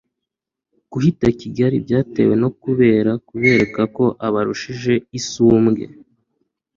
kuhita KIGALI byatewe no kubera kubereka ko abarushije isumbwe